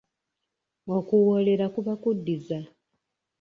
Okuwoolera kuba kuddiza.